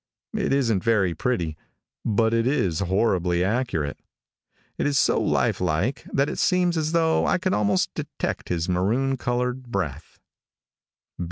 It isn't very pretty, but it is horribly accurate. It is so life like, that it seems as though I could almost detect his maroon colored breath.